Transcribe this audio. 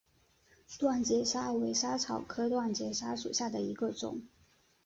断节莎为莎草科断节莎属下的一个种。